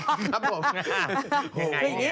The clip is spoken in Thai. นี่คงไง